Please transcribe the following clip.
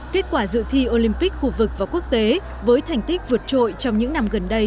kết quả dự thi olympic khu vực và quốc tế với thành tích vượt trội trong những năm gần đây